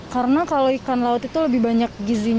karena kalau ikan laut itu lebih banyak gizinya